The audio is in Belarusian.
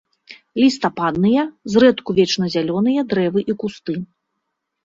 Лістападныя, зрэдку вечназялёныя дрэвы і кусты.